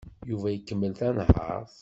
Yuba ikemmel tanhaṛt.